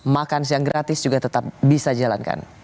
makansi yang gratis juga tetap bisa jalankan